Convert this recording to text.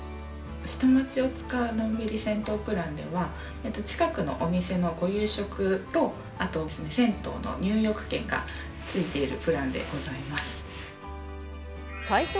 下町大塚のんびり銭湯プランでは、近くのお店のご夕食と、あと銭湯の入浴券が付いているプランでございます。